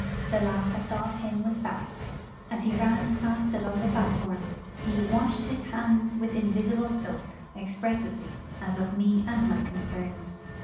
The last I saw of him was that, as he ran fast along the platform, he 'washed his hands with invisible soap,' expressively, as of me and my concerns.